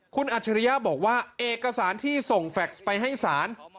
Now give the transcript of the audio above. คุณอัจฉริยะบอกว่าเอกสารที่ส่งแฟคไปให้ศาล